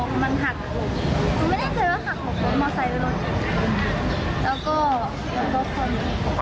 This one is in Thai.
มันไม่ได้ใส่ว่าหักห่วงหรอกครับ